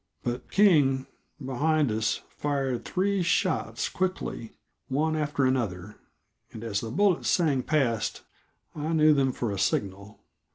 But King, behind us, fired three shots quickly, one after another and, as the bullets sang past, I knew them for a signal.